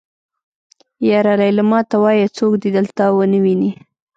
يره ليلما ته وايه څوک دې دلته ونه ويني.